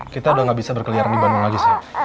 kita udah gak bisa berkeliaran di bandung lagi sih